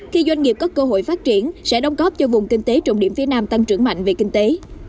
khi doanh nghiệp có cơ hội phát triển sẽ đóng góp cho vùng kinh tế trọng điểm phía nam tăng trưởng mạnh về kinh tế